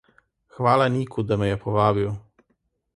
Hvala Niku, da me je povabil.